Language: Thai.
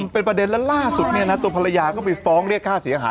เป็นประเด็นแล้วล่าสุดตัวภรรยาก็ไปฟ้องเรียกค่าเสียหาย